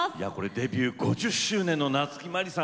デビュー５０周年の夏木マリさん。